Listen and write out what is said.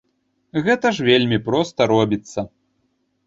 Гэта ж вельмі проста робіцца.